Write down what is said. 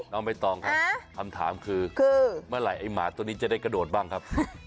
น้องใบตองครับคำถามคือเมื่อไหร่ไอ้หมาตัวนี้จะได้กระโดดบ้างครับ